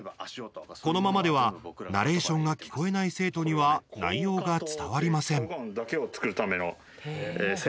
このままでは、ナレーションが聞こえない生徒には内容が伝わりません。